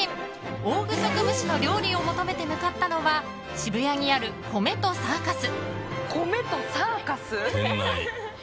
オオグソクムシの料理を求めて向かったのは渋谷にある、米とサーカス。